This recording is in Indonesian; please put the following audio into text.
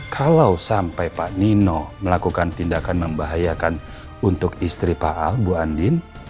kalau sampai pak nino melakukan tindakan membahayakan untuk istri pak al bu andin